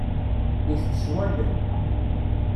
Itett s wallen.